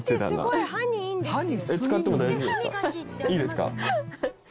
いいですか？